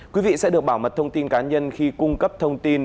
quý vị sẽ được bảo mật thông tin cá nhân khi cung cấp thông tin